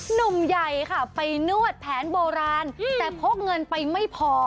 หนุ่มใหญ่ค่ะไปนวดแผนโบราณแต่พกเงินไปไม่พอ